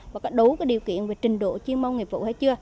và có đủ cái điều kiện về trình độ chuyên môn nghiệp vụ hay chưa